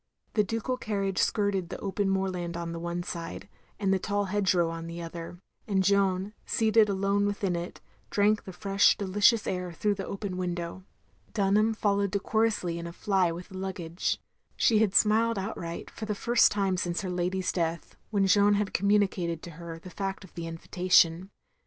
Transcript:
The ducal carriage skirted the open moorland on the one side, and the tall hedge row on the other, and Jeanne seated alone within it, drank the fresh delicious air through the open window. Dtinham followed decorously in a fly with the luggage. She had smiled outright, for the first time since her lady's death, when Jeanne had com mtmicated to her the fact of the invitation.